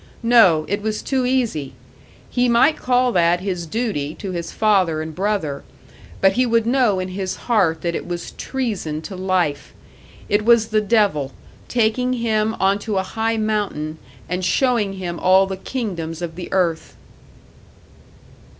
No, it was too easy! He might call that his duty to his father and brother, but he would know in his heart that it was treason to life; it was the devil, taking him onto a high mountain and showing him all the kingdoms of the earth!